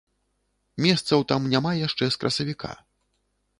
Месцаў там няма яшчэ з красавіка.